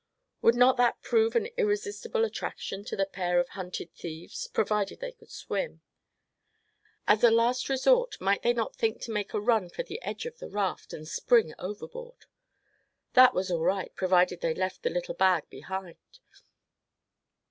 Would not that prove an irresistible attraction to the pair of hunted thieves, provided they could swim? As a last resort might they not think to make a run for the edge of the raft, and spring overboard? That was all right, provided they left the little bag behind.